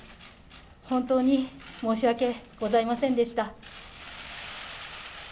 本当に申し訳ございませんでした。